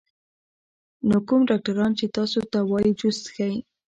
نو کوم ډاکټران چې تاسو ته وائي جوس څښئ